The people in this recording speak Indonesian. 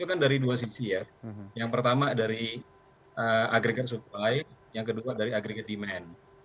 itu kan dari dua sisi ya yang pertama dari agregat supply yang kedua dari agregat demand